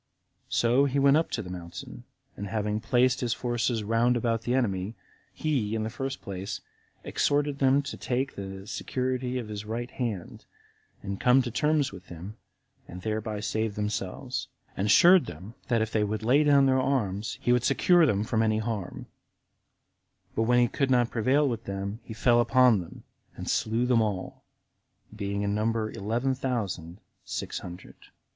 So he went up to the mountain, and having placed his forces round about the enemy, he, in the first place, exhorted them to take the security of his right hand, and come to terms with him, and thereby save themselves; and assured them, that if they would lay down their arms, he would secure them from any harm; but when he could not prevail with them, he fell upon them and slew them all, being in number eleven thousand and six hundred.